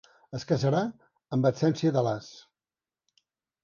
Es casarà en absència de l'as.